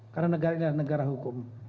karena negara ini adalah negara hukum